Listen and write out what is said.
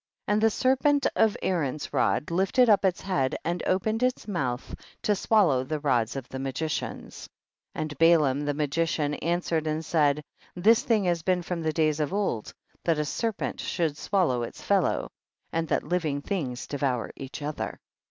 38. And the serpent of Aaron's rod lifled up its head and opened its mouth to swallow the rods of the magicians. 39. And Balaam the magician an swered and said, this thing has been from the days of old, that a serpent should swallow its fellow, and that living things devour each other.